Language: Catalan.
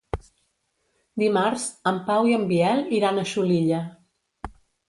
Dimarts en Pau i en Biel iran a Xulilla.